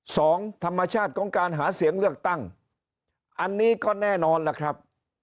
สองธรรมชาติของการหาเสียงเลือกตั้งอันนี้ก็แน่นอนล่ะครับ